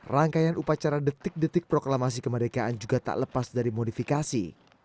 rangkaian upacara detik detik proklamasi kemerdekaan juga tak lepas dari modifikasi